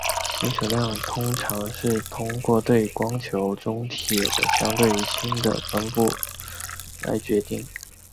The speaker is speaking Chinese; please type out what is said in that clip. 金属量通常是通过对光球中铁的相对于氢的丰度来决定。